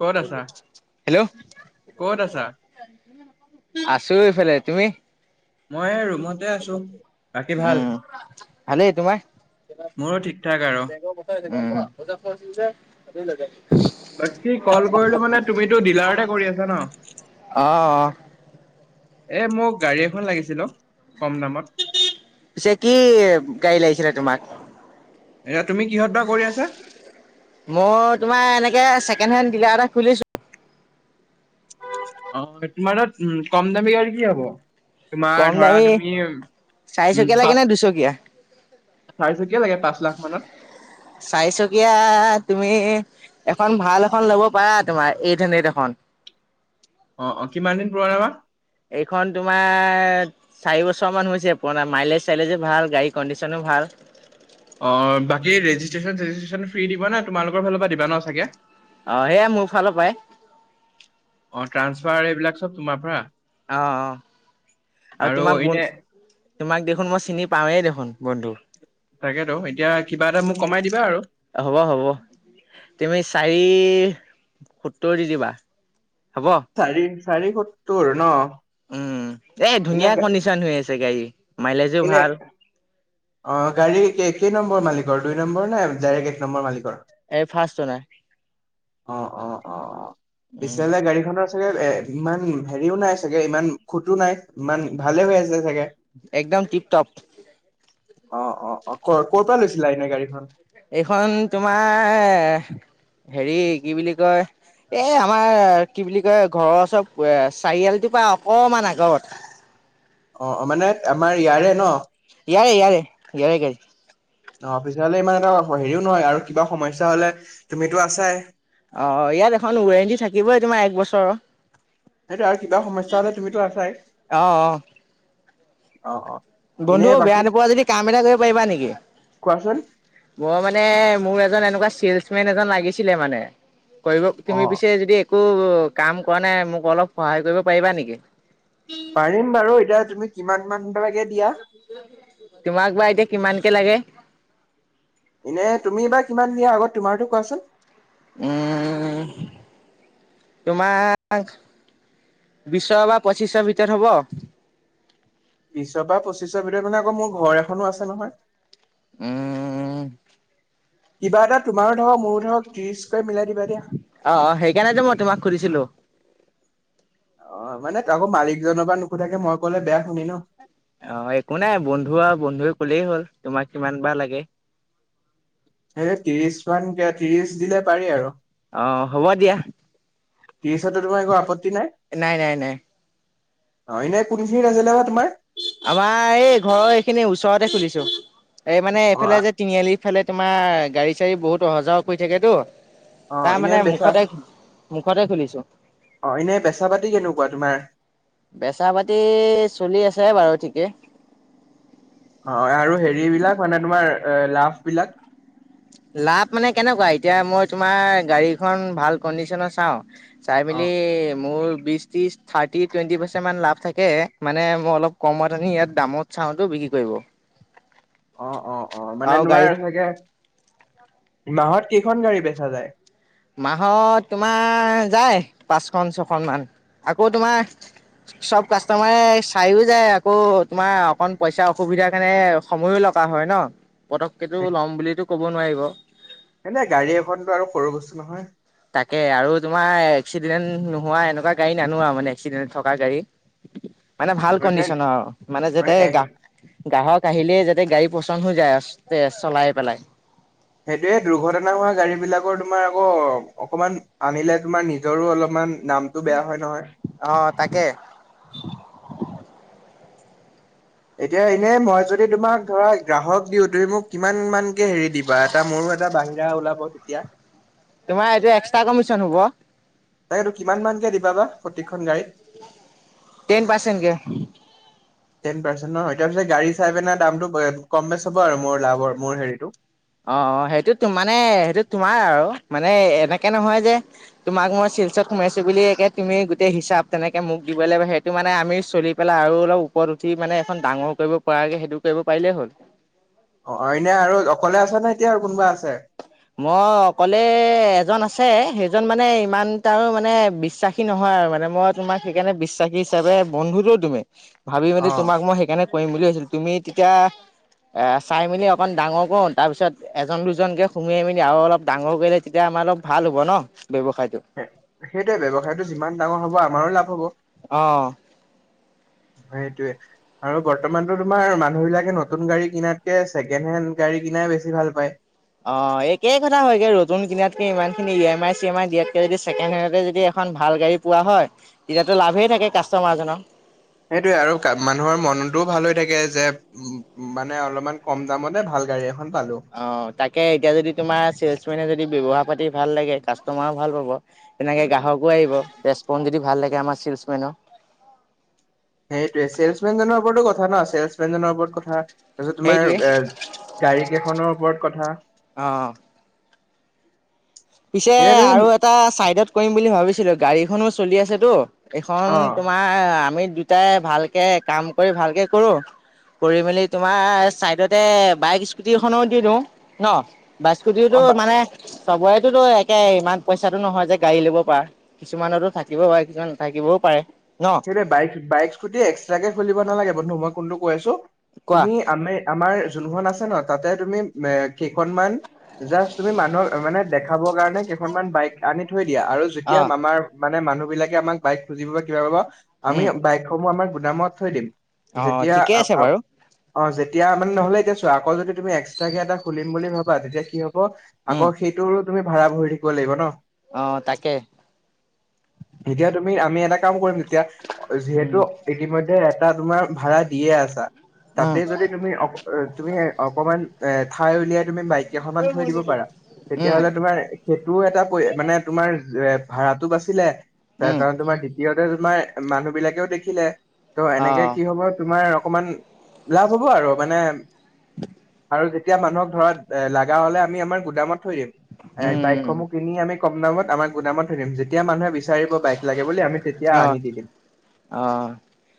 ক'ত আছা? হেল্ল'? ক'ত আছা? আছো এইফালে তুমি? মই এই ৰুমত। উম, ভালেই তোমাৰ? মোৰো ঠিক ঠাক আৰু। উম। বাকী কল কৰিলো মানে তুমিতটো ডিলাৰতে কৰি আছা ন'? অ অ এ মোক গাড়ী এখন লাগিছিল অ', কম দামত। পিছে কি গাড়ী লাগিছিলে তোমাক? এয়া তুমি কিহত বা কৰি আছা? মই তোমাৰ এনেকে ছেকেণ্ড হেণ্ড ডিলাৰ এটা খুলিছো। অ', তোমাৰ তাত কম দামী আৰু় কি হব? তোমাৰ কম ধৰা দামী তুমি উম, চাৰিচকীয়া লাগে পচ, নে দুচকীয়া চাৰিচকীয়া লাগে পাঁচ লাখ মানত। চাৰিচকীয়া তুমি এখন ভাল এখন ল'ব পাৰা তোমাৰ এইট হাণ্ড্ৰেড এখন। অ', অ', কিমান দিন পুৰণাবা? এইখন তোমাৰ চাৰি বছৰ মান হৈছে পুৰণা মাইলেজ-চাইলেজো ভাল গাড়ী কণ্ডিশ্যনো ভাল। অ', বাকী ৰেজিষ্ট্ৰেশ্যন-চেজিষ্ট্ৰেশ্যন ফ্ৰী দিবা নে তোমালোকৰ ফালৰ পৰা দিবা ন' চাগে? অ, সেয়াাই মোৰ ফালৰ পৰাই। অ', ট্ৰান্সফাৰ এইবিলাক চব তোমাৰ পৰা? অ', অ', আৰু তোমাক ব তোমাক দেখোন মই চিনি পাওঁৱেই দেখোন বন্ধু। তাকেতো এতিয়া কিবা এটা মোক কমাই দিবা আৰু। হ'ব, হ'ব। তুমি চাৰি, সত্তৰ দি দিবা হ'ব? চাৰি চাৰি সত্তৰ ন'? উম, এই এনে ধুনীয়া কণ্ডিচন হৈ আছে গাড়ী, মাইলেজো এনে ভাল। অ', গাড়ীৰ কেই নম্বৰ মালিকৰ দুই নম্বৰ নে ডাইৰেক্ট এক নম্বৰ মালিকৰ? এ ফাষ্ট অনাৰ। অ', অ', অ', উম [unintelligible] গাড়ী খনৰ ইমান হেৰিও নাই চাগে, ইমান খুতো নাই ইমান, ভালে হৈ আছে চাগে? একদম টিপ টপ। অ', অ', অ', ক-ক'ৰ পৰা লৈছিলা এনে গাড়ীখন? এইখন তোমাৰ, হেৰি কি বুলি কয় এই আমাৰ কি বুলি কয় ঘৰৰ ওচৰত চাৰি আলি টোৰ পৰা অকমান আগত। অ', মানে আমাৰ ইয়াৰে ন'? ইয়াৰে ইয়াৰে, ইয়াৰে গাড়ী। অ', পিছৰলৈ ইমান এটা হেৰিও নহয় আৰু কিবা সমস্যা হ'লে তুমিটো আছাই। অ', ইয়াত এখন ৱৰেণ্টি থাকিবই তোমাৰ এক বছৰৰ। সেইটোৱে আৰু কিবা সমস্যা হ'লে তুমিতো আছাই অ', অ'। এনে বন্ধু বেয়া বাকী নোপোৱা যদি কাম এটা কৰিব পাৰিবা নেকি? কোৱাচোন মই মানে, মোৰ এজন এনেকুৱা চেলচ মেন এজন লাগিছিলে মানে। কৰিব, অ তুমি অ পিছে যদি একো কাম কৰা নাই মোক অলপ সহায় কৰিব পাৰিবা নেকি? পাৰিম বাৰু, এতিয়া তুমি কিমান মান দিব লাগে দিয়া? তোমাক বা এতিয়া কিমান কে লাগে? এনে, তুমি বা কিমান দিয়া আগত তোমাৰতো কোৱাচোন? উম'। তোমাক বিশৰ বা পঁচিছৰ ভিতৰত হ'ব। বিশৰ পৰা পঁচিশৰ ভিতৰত হ'লে আকৌ মোৰ ঘৰ এখনো আছে নহয়। উম'। কিবা এটা তোমাৰো ধৰক মোৰো ধৰক ত্ৰিশ কৈ মিলাই দিবা দিয়া। অ' অ' সেইকাৰণে তো মই তোমাক সুধিছিলোঁ। অ, মানে আকৌ মালিকজনৰ পৰা নোসোধাকে মই ক'লে বেয়া শুনি ন। অ, একো নাই বন্ধু আৰু বন্ধুৱে ক'লেই হ'ল। তোমাক কিমান বা লাগে? সেই ত্ৰিশ মান দিয়া, ত্ৰিশ দিলে পাৰি আৰু। অ, হ'ব দিয়া। ত্ৰিশত টো তোমাৰ একো আপত্তি নাই। নাই, নাই, নাই। অ, এনেই কোনখিনিত আছিলে বা তোমাৰ? আমাৰ এই ঘৰৰ এইখিনি ওচৰতে খুলিছোঁ। এই মানে অ এইফালে যে তিনিআলিত। [inaudible] এইফালে তোমাৰ গাড়ী-চাড়ী বহুত অহা যোৱা কৰি থাকেতো। অ তাৰ এনে মানে বেচা মুখতে মুখতে খুলিছোঁ। অ, এনেই বেছা পাতি কেনেকুৱা তোমাৰ? বেছা পাতি চলি আছে বাৰু ঠিকেই। অ' আৰু হেৰি বিলাক মানে, তোমাৰ লাভ বিলাক। লাভ মানে কেনেকুৱা? এতিয়া মই তোমাৰ গাড়ীখন ভাল কডিচনে চাওঁ। চাই অ মেলি মোৰ বিশ ত্ৰিশ থাৰ্টি টুৱেণ্টি পাৰ্চেন্টেন মান লাভ থাকে, মানে মই অলপ কমত আনি ইয়াত দামত চাওঁ বিক্ৰী কৰিব। [unintelligible] অ' অ' অ, মানে আৰু গাড়ী নোৱাৰ চাগে, মাহত কেইখন গাড়ী বেচা যায়? মাহত তোমাৰ যায় পাঁচখন, ছখন মান আকৌ তোমাৰ চব কাষ্টমাৰে চাইও যায় আকৌ তোমাৰ অকন পইচাৰ অসুবিধাৰ কাৰণে সময়ো লগা হয় ন, পতককে তো ল'ম বুলিতো ক'ব নোৱাৰিব। এনে গাড়ী এখনতো আৰু সৰু বস্তু নহয়। তাকে আৰু তোমাৰ এক্সিডেণ্ট নোহোৱা, এনেকুৱা গাড়ী নানো আৰু মানে এক্সিডেণ্ট থকা গাড়ী। মানে ভাল কণ্ডিচনৰ আৰু মানে যাতে গা গ্ৰাহক আহিলেই যাতে গাড়ী পচন্দ হৈ যায়, টেষ্ট চলাই পেলাই। সেইটোৱে দুৰ্ঘটনা হোৱা গাড়ী বিলাকৰ তোমাৰ আকৌ অকমান আনিলে, তোমাৰ নিজৰো অলপমান নাম টো বেয়া হয় নহয়। অ' তাকে। এতিয়া এনে মই যদি তোমাক ধৰা গ্ৰাহক দিওঁ, তুমি মোক কিমান মানকে হেৰি দিবা? এটা মোৰো এটা বাহিৰা ওলাব তেতিয়া। তোমাৰ এইটো এক্সট্ৰা কমিশ্যন হ'ব। তাকেতো কিমান মানকে দিবা বা প্ৰত্যেকখন গাড়ীত? টেন পাৰ্চেণ্ট কে। টেন পাৰ্চেন্ট ন, তাৰপিছত গাড়ী চাই পিনে দামটো কম বেছ হ'ব আৰু মোৰ লাভৰ মোৰ হেৰিটো। অ অ সেইটোতো মানে সেইটো তোমাৰ আৰু মানে এনেকে নহয় যে তোমাক মই চেলছত সোমাইছো বুলিয়ে একে তুমি গোটেই হিচাপ তেনেকে মোক দিব লাগিব সেইটো মানে আমি চলি পেলাই আৰু অলপ ওপৰত উঠি মানে এখন ডাঙৰ কৰিব পৰাকে সেইটো কৰিব পাৰিলে হ'ল অ অইনে আৰু অকলে আছা নে এতিয়া আৰু কোনোবা আছে মই অকলে এজন আছে সেইজন মানে ইমান তাৰো মানে বিশ্বাস সী নহয় আৰু মানে মই তোমাক সেইকাৰণে বিশ্বাসী হিচাপে বন্ধুতো তুমি ভাবি মানে অ'। তোমাক মই সেইকাৰণে কৰিম বুলি ভাবছিলো তুমি তেতিয়া এ চাই মেলি অকন ডাঙৰ কৰো তাৰ পিছত এজন দুজনকে সুমুৱাই মেলি আৰু অলপ ডাঙৰ কৰিলে তেতিয়া আমাৰ অলপ ভাল হ'ব ন ব্যৱসায়টো এ সেইটোৱে ব্যৱসায়টো যিমান ডাঙৰ হ'ব আমাৰো লাভ হ'ব অ সেইটোৱে আৰু বৰ্তমানতো তোমাৰ মানুহ বিলাকে নতুন গাড়ী কিনাতকে ছেকেণ্ড হেণ্ড গাড়ী কিনাই বেছি ভাল পায় অ একেই কথা হয়গে নতুন কিনাতকে ইমান খিনি E M I C M I দিয়াতকে যদি ছেকেণ্ড হেণ্ডতে যদি এখন ভাল গাড়ী পোৱা হয় তেতিয়াতো লাভে থাকে কাষ্টমাৰজনৰ সেইটোৱে আৰু মানুহৰ মনটোও ভাল হৈ থাকে যে উ মানে অলপমান কম দামতে ভাল গাড়ী এখন পালো অহ তাকে এতিয়া যদি তোমাৰ চেলছমেনে যদি ব্যৱহাৰ পাতি ভাল লাগে কাষ্টমাৰো ভাল পাব তেনেকে গ্ৰাহকো আহিব ৰেছপন যদি ভাল লাগে আমাৰ চেলছমেনৰ সেইটোৱে চেলছমেন জনৰ ওপৰতো কথা ন চেলছমেন জনৰ ওপৰত কথা তাৰপিছত তোমাৰ সেইটোৱে এ গাড়ী কেইখনৰ ওপৰত কথা অ পিছে এনে তুমি আৰু এটা চাইডত কৰিম বুলি ভাবিছিলো গাড়ীখনো চলি আছেতো অ এইখন তোমাৰ আমি দুটাই ভালকে কাম কৰি ভালকে কৰো কৰি মেলি তোমাৰ চাইডতে বাইক স্কুটি এখনো দি দিওঁ ন বাইক অ স্কুটিওতো বা মানে চবৰেতোতো একে ইমান পইচাটো নহয় যে গাড়ী ল'ব পৰা কিছুমানৰতো থাকিব পাৰে কিছুমান নাথাকিবও পাৰে ন সেইটোৱে বাইক বাইক স্কুটি এক্সট্ৰা কে খুলিব নালাগে বন্ধু মই কোনটো কৈ আছো কোৱা তুমি আমি আমাৰ যোনখন আছে ন তাতে তুমি মে কেইখনমান জাষ্ট তুমি মানুহক মানে দেখাবৰ কাৰণে কেইখনমান বাইক আনি থৈ দিয়া আৰু অ যেতিয়া মামাৰ মানে মানুহ বিলাকে আমাক বাইক খুজিব কিবা ক'ব আমি উম বাইক সমূহ আমাৰ গুদামত থৈ দিম অ যেতিয়া ঠিকে আ আছে আ বাৰু অ যেতিয়া মানে নহ'লে এতিয়া চোৱা আকৌ যদি তুমি এক্সট্ৰাকে এটা খুলিম বুলি ভাবা তেতিয়া কি হ' ব উম আকৌ সেইটোৰো তুমি ভাড়া ভৰি থাকিব লাগিব ন অ তাকে এতিয়া তুমি আমি এটা কাম কৰিম তেতিয়া যিহেতু উম ইতিমধ্যে এটা তোমাৰ ভাড়া দিয়ে আছা উম তাতে যদি তুমি অক এ তুমি অকমান এ ঠাই উলিয়াই তুমি বাইক কেইখনমান থৈ দিব পাৰা উম তেতিয়াহলে তোমাৰ। সেইটোও এটা পৰে মানে তোমাৰ এ ভাড়াটো বাচিলে তা উম তা তোমাৰ দ্বিতীয়তে তোমাৰ মানুহ বিলাকেও দেখিলে ত' অ এনেকে কি হব তোমাৰ অকমান লাভ হ'ব আৰু মানে আৰু যেতিয়া মানুহক ধৰা লাগা হলে আমি আমাৰ গুদামত থৈ দিম এ উম বাইকসমহ কিনি আনি কম দামত আমাৰ গুদামত থৈ দিম যেতিয়া মানুহে বিচাৰিব বাইক লাগে বুলি আমি তেতিয়া অ আনি দি দিম। অ।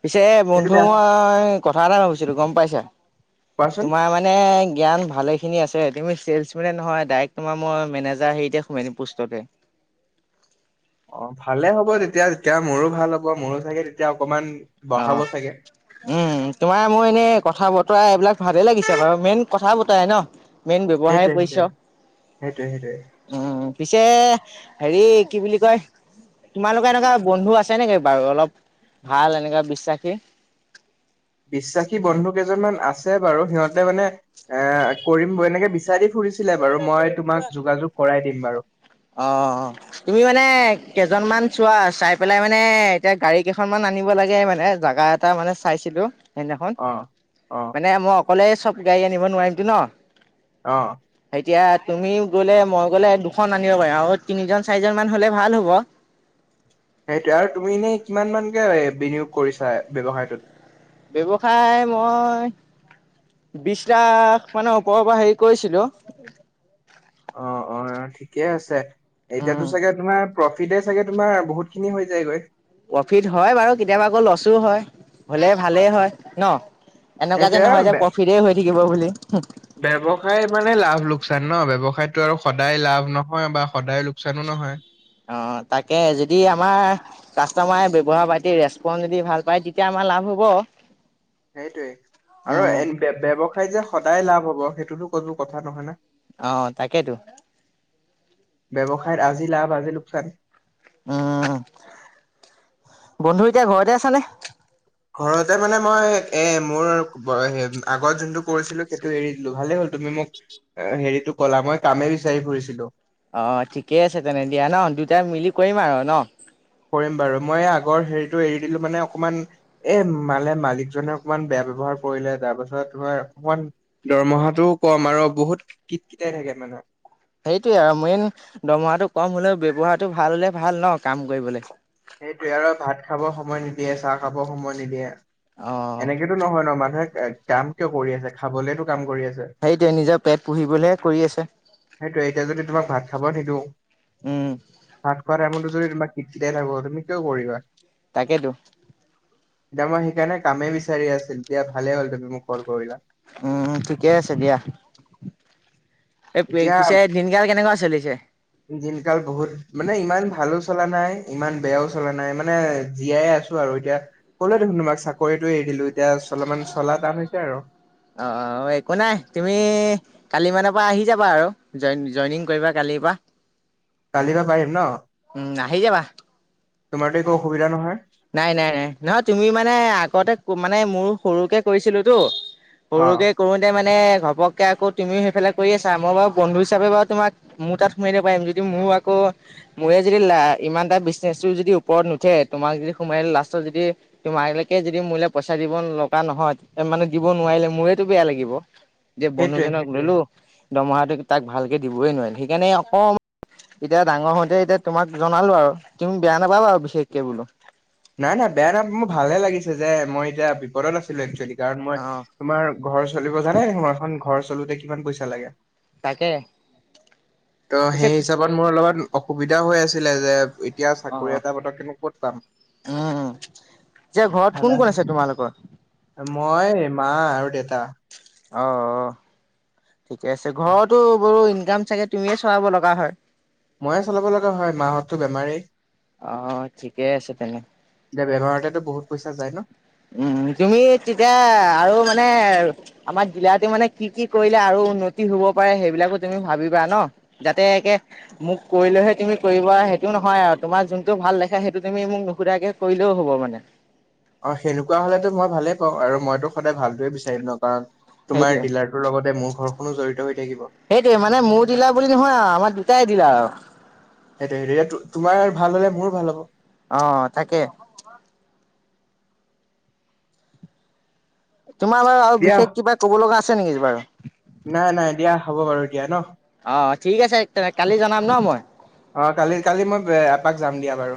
পিছে এ সেইটো বন্ধু বেয়া মই কথা এটা ভাবিছিলো গম পাইছা কোৱাচোন তোমাৰ মানে এনে জ্ঞান ভালে খিনি আছে। তুমি চেলছমেনে নহয়, ডাইৰেক্ট তোমাৰ মই মেনেজাৰ হেৰিতে সোমাই দিম, পোষ্টতে। অ', ভালে হ'ব তেতিয়া। যেতিয়া মোৰো ভাল হ'ব। মোৰো চাগে তেতিয়া অকমান বঢ়াব অ'। চাগে উম, তোমাৰ মোৰ এনেই কথা-বতৰা এইবিলাক ভালে লাগিছে বাৰু, মেইন কথা বতৰাই ন। মেইন ব্যৱহাৰেই সেইটোৱে সেইটোৱে পৰিচয়। সেইটোৱে সেইটোৱে উম, পিছে হেৰি কি বুলি কয় তোমালোকৰ এনেকুৱা বন্ধু আছে নেকি বাৰু অলপ ভাল এনেকুৱা বিশ্বাসী? বিশ্বাসী বন্ধু কেইজনমান আছে বাৰু, সিহঁতে মানে এ কৰিম বুলি এনেকে বিচাৰি ফুৰিছিলে বাৰু। মই তোমাক যোগাযোগ কৰাই দিম বাৰু। অ', অ', অ'। তুমি মানে কেইজন মান চোৱা, চাই পেলাই মানে এতিয়া গাড়ী কেইখনমান আনিব লাগে মানে জাগা এটা মানে চাইছিলো। হেইদিনাখন। অ অ মানে মই অকলে চব গাড়ী আনিব নোৱাৰিমতো ন। অ'। এতিয়া তুমিও গ'লে, মই গ'লে দুখন আনিব পাৰি আৰু তিনিজন-চাৰিজন মান হ'লে ভাল হ'ব। সেইটোৱে। আৰু তুমি এনে কিমান মানকে বিনিয়োগ কৰিছা ব্যৱসায়টোত? ব্যৱসায় মই, বিশ লাখ মান ওপৰৰ পৰা হেৰি কৰিছিলোঁ। অ', অ', ঠিকে আছে। উম এতিয়াতো চাগে তোমাৰ প্ৰফিটে চাগে তোমাৰ বহুত খিনি হৈ যায়গৈ। প্ৰফিট হয় বাৰু, কেতিয়াবা আকৌ ল'ছো হয়। হ'লে ভালেই হয় ন। এনেকুৱা যে সেইটোয়ে আৰু নহয় যে বে- প্ৰফিতে হৈ থাকিব বুলি। ব্যৱসায় মানে লাভ-লোকচান ন! ব্যৱসায়তো আৰু সদায় লাভ নহয়, বা সদায় লোকচানো নহয়। অ', তাকে যদি আমাৰ কাষ্টমাৰে ব্যৱহাৰ-পাতি, ৰেচপন যদি ভাল পায়, তেতিয়া আমাৰ লাভ হ'ব। হেইটোৱে উম, আৰু ব্য-ব্যৱসায় যে সদায় লাভ হ'ব সেইটোতো কোনো কথা নহয় না। অ', তাকেইতো। ব্যৱসায়ত আজি লাভ, আজি লোকচান। উম, বন্ধু এতিয়া ঘৰতে আছা নে? ঘৰতে মানে মই এ মোৰ [unintelligible] আগৰ যোনটো কৰিছিলো সেইটো এৰি দিলো। ভালেই হ'ল তুমি মোক হেৰিটো ক'লা, মই কামে বিচাৰি ফুৰিছিলো। অ', ঠিকে আছে তেনে দিয়া ন। দুয়োটাই মিলি কৰিম আৰু ন? কৰিম বাৰু। মই এই আগৰ হেৰিটো এৰি দিলো মানে অকমান এ মানে মালিকজনে অকমান বেয়া ব্যৱহাৰ কৰিলে, তাৰপাছত তোমাৰ অকমান দৰমহাটোও কম আৰু বহুত কিত-কিটাই থাকে তাৰমানে। সেইটোৱে আৰু মেইন দৰমহাটো কম হ'লেও ব্যৱহাৰটো ভাল হ'লে ভাল ন কাম কৰিবলৈ। সেইটোৱে আৰু ভাত খাব সময়, নিদিয়ে চাহ খাব সময় নিদিয়ে। অ'। এইটো নহয় ন। মানুহে এ কাম কিয় কৰি আছে, খাবলেটো কাম কৰি আছে। সেইটোৱে নিজৰ পেট পুহিবলৈহে কৰি আছে। সেইটোৱে এতিয়া যদি তোমাক ভাত খাব নিদো উম। ভাত খোৱা টাইমটো যদি তোমাক কিট-কিটাই [unintelligible] তুমি কিয় কৰিবা? তাকেইতো। এতিয়া মই সেইকাৰণে কামেই বিচাৰি আছিলো। দিয়া ভালে হ'ল তুমি মোক কল কৰিলা। উম, ঠিকে আছে দিয়া। এই এতিয়া পিছে দিনকাল কেনেকুৱা চলিছে? দিনকাল বহুত মানে ইমান ভালো চলা নাই, ইমান বেয়াও চলা নাই মানে জীয়াই আছো আৰু এতিয়া। কলো দেখোন তোমাক চাকৰিটো এৰি দিলো এতিয়া চলপমান চলা টান হৈছে আৰু। অ, অ, একো নাই তুমি কালি মানৰ পৰা আহি যাবা আৰু জইনিং কৰিবা কালিৰ পৰা। কালিৰ পৰা পাৰিম ন উম আহি যাবা তোমাৰতো একো অসুবিধা নহয়। নাই নাই নাই নহয় তুমি মানে আগতে মানে মোৰ সৰুকে কৰিছিলো তো, অ সৰুকে কৰোতে মানে ঘপকে আকৌ তুমি সেইফালে কৰি আছা মোৰ বাৰু বন্ধু হিচাপে বাৰু তোমাক মোৰ তাত সোমাই দি পাৰিম যদি মোৰ আকৌ মোৰে যদি লা ইমান এটা বিচনেচো যদি ওপৰত নুঠে। তোমাক যদি সোমাই লাষ্টত যদি তোমালকে যদি মোলে পইচা দিব লগা নহয় মানে দিব নোৱাৰিলে মোৰেতো বেয়া লাগিব। যে সেইটোৱে বন্ধুজনক সেইটোৱে ললো দতমহাটো তাক ভালকে দিবই নোৱাৰিলো সেইকাৰণে অকমান এতিয়া ডাঙৰ হওঁতে এতিয়া তোমাক জনালো আৰু তুমি বেয়া নাপাবা আৰু বিশেষকে বোলো। নাই-নাই বেয়া নাপ মোৰ ভালে লাগিছে যে মই এতিয়া বিপদত আছিলো একচুৱেলি কাৰণ অ মই, তোমাৰ ঘৰ চলিব জানে নে তোমাৰখন ঘৰ চলোতে কিমান পইচা লাগে। তাকে ত' পিছে সেই হিচাপত মোৰ অলপমান অসুবিধা হৈ আছিলে যে এতিয়া অ চাকৰি এটা পতকেনো ক'ত পাম। উম এতিয়া ঘৰত ভালে কোন কোন আছে তোমালোকৰ? মই, মা আৰু দেউতা। অ, ঠিকে আছে ঘৰতো বৰ ইনকাম চাগে তুমিয়ে চলাব লগা হয়। ময়ে চলাব লগা হয় মাহঁতো বেমাৰেই। অ, ঠিকেই আছে তেনে। যে বেমাৰটো বহুত পইচা যায় ন। উম, তুমি তেতিয়া আৰু মানে আমাৰ দিলাৰতে মানে কি কি কৰিলে আৰু উন্নতি হব পাৰে সেইবিলাকো তুমি ভাবিবা ন। যাতে একে মোক কৰিলেহে তুমি কৰিবা সেইটো নহয় আৰু তোমাৰ যোনতটো ভাল দেখা সেইটো তুমি মোক নুশুধাকে কৰিলেও হ'ব মানে। অ, সেনেকুৱা হলেতো মই ভালে পাওঁ আৰু মইতো সদায় ভালটোৱে বিচাৰিম ন কাৰণ তোমাৰ সেইটোৱে ডিলাৰ তোৰ লগতে মোৰ ঘৰখননো জড়িত হৈ থাকিব। সেইটোৱে মানে মোৰ দিলা বুলি নহয় আৰু আমাৰ দুটাই দিলা আৰু। সেইটোৱে-সেইটোৱে তোমাৰ ভাল হ'লে মোৰো ভাল হ'ব। অ, তাকে। তোমাৰ বাৰু আৰু দিয়া বিশেষ কিবা কব লগা আছে নেকি বাৰু। নাই-নাই দিয়া হ'ব বাৰু দিয়া ন। অ, ঠিক আছে তেনে কালি জনাম ন মই। অ, কালি কালি মই এপাক যাম দিয়া বাৰু।